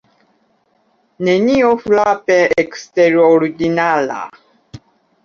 Nenio frape eksterordinara.